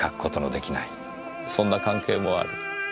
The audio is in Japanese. そんな関係もある。